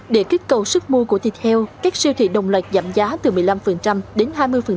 để kích cầu sức mua của thịt heo các siêu thị đồng loạt giảm giá từ một mươi năm đến hai mươi